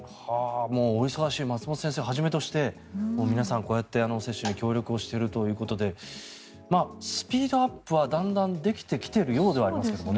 お忙しい松本先生をはじめとして皆さん、こうやって接種に協力しているということでスピードアップはだんだんできていているようではありますね。